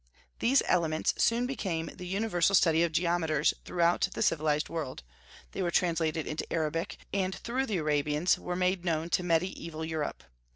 These "Elements" soon became the universal study of geometers throughout the civilized world; they were translated into the Arabic, and through the Arabians were made known to mediaeval Europe.